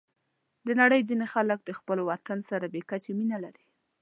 د نړۍ ځینې خلک د خپل وطن سره بې کچې مینه لري.